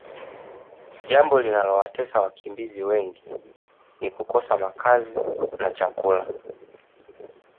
jambo linalowatesa wakimbizi wengini kukosa makazi na chakula